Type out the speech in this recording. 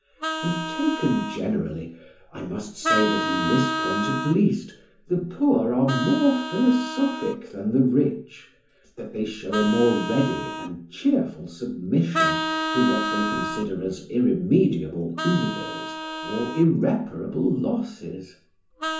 And taken generally, I must say that, in this point at least, the poor are more philosophic than the rich—that they show a more ready and cheerful submission to what they consider as irremediable evils or irreparable losses.